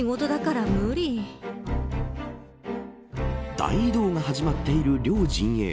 大移動が始まっている両陣営。